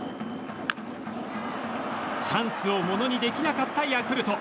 チャンスをものにできなかったヤクルト。